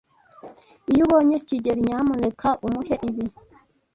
Iyo ubonye kigeli, nyamuneka umuhe ibi.